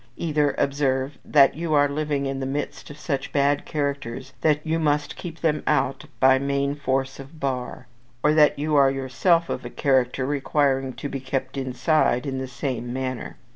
Either, observe, that you are living in the midst of such bad characters that you must keep them out by main force of bar, or that you are yourself of a character requiring to be kept inside in the same manner.